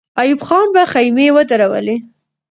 ایوب خان به خېمې ودرولي.